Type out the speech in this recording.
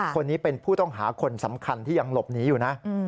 คนนี้เป็นผู้ต้องหาคนสำคัญที่ยังหลบหนีอยู่นะ